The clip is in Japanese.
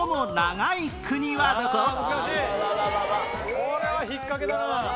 これは引っ掛けだな。